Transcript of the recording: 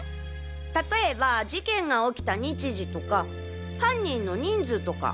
例えば事件が起きた日時とか犯人の人数とか。